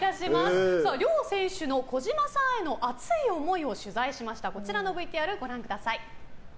両選手の児嶋さんへの熱い思いを取材しましたのでご覧ください。